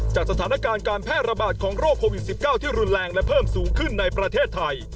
สถานการณ์การแพร่ระบาดของโรคโควิด๑๙ที่รุนแรงและเพิ่มสูงขึ้นในประเทศไทย